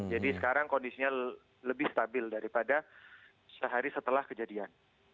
jadi sekarang kondisinya lebih stabil daripada sehari setelah kejadian